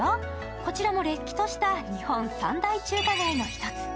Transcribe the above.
こちらもれっきとした日本三大中華街の一つ。